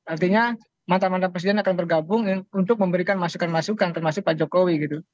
artinya mantan mantan presiden akan bergabung untuk memberikan masukan masukan termasuk pak jokowi gitu